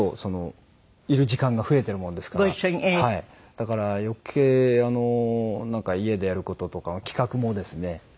だから余計なんか家でやる事とか企画もですね